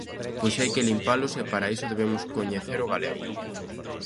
Pois hai que limpalos e para iso debemos coñecer o galego.